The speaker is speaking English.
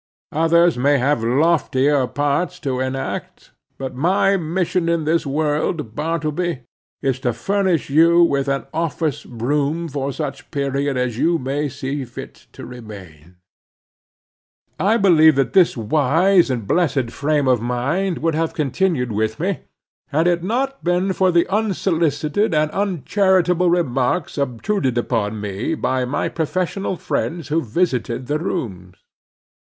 Others may have loftier parts to enact; but my mission in this world, Bartleby, is to furnish you with office room for such period as you may see fit to remain. I believe that this wise and blessed frame of mind would have continued with me, had it not been for the unsolicited and uncharitable remarks obtruded upon me by my professional friends who visited the rooms.